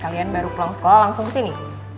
kalian baru pulang sekolah langsung kesini